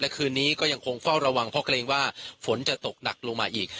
คืนนี้ก็ยังคงเฝ้าระวังเพราะเกรงว่าฝนจะตกหนักลงมาอีก